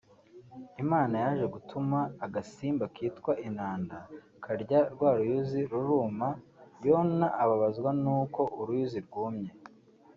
Imana yaje gutuma agasimba kitwa inanda karya rwaruyuzi ruruma Yona ababazwa nuko uruyuzi rwumye